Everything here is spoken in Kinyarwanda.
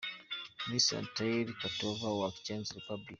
Miss Natalie Kotkova wa Czech Republic.